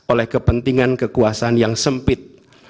oleh kepentingan kekuasaan yang sempit